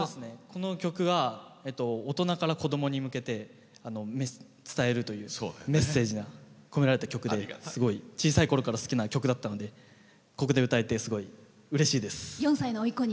この曲は大人から子供に向けて伝えるというメッセージが込められた曲ですごい小さいころから好きな曲だったんでここで歌えてすごいうれしいです。